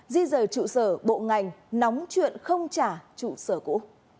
di rời trụ sở bộ ngành nóng chuyện không trả trụ sở cũ